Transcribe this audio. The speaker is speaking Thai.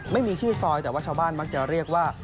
ไม่มีชื่อซอยแต่ว่าชาวบ้านมักจะเรียกว่า